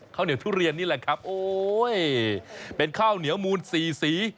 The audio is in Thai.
ข้าวเหนียวทุเรียนนี่แหละครับโอ้ยเป็นข้าวเหนียวมูลสี่สี